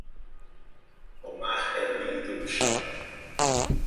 O mar é lindo no chão.